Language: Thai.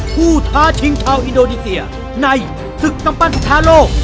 ท้าชิงชาวอินโดนีเซียในศึกกำปั้นสถานโลก